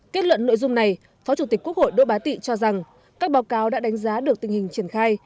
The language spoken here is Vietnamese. kết luận nội dung này phó chủ tịch quốc hội đỗ bá tị cho rằng các báo cáo đã đánh giá được tình hình triển khai